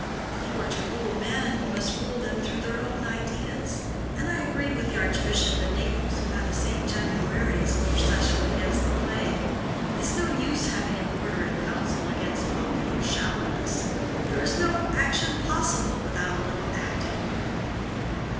If you are to rule men, you must rule them through their own ideas; and I agree with the Archbishop at Naples who had a St. Januarius procession against the plague. It's no use having an Order in Council against popular shallowness. There is no action possible without a little acting."